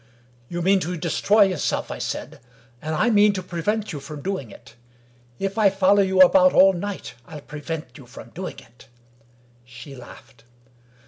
" You mean to destroy yourself," I said. " And I mean to prevent you from doing it. If I follow you about all night, I'll prevent you from doing it." She laughed.